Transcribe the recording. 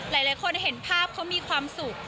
หลายคนเห็นภาพเขามีความสุข